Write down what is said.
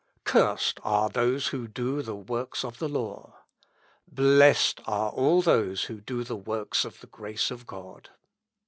"Cursed are those who do the works of the law. "Blessed are all those who do the works of the grace of God.